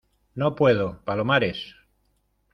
no puedo, Palomares.